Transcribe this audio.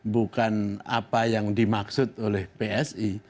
bukan apa yang dimaksud oleh psi